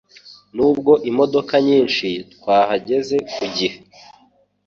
Nubwo imodoka nyinshi, twahageze ku gihe.